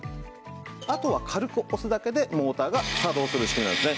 あとは軽く押すだけでモーターが作動する仕組みなんですね。